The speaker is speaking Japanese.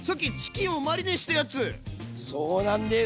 そうなんです。